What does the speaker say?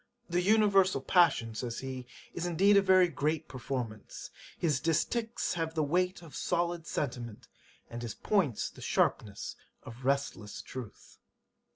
"The Universal Passion (says he) is indeed a very great performance, his distichs have the weight of solid sentiment, and his points the sharpness of resistless truth."'